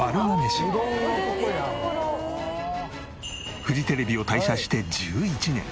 フジテレビを退社して１１年。